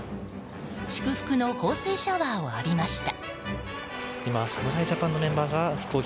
祝福の放水シャワーを浴びました。